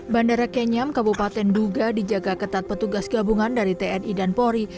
bandara kenyam kabupaten duga dijaga ketat petugas gabungan dari tni dan polri